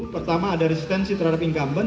pertama ada resistensi terhadap incumbent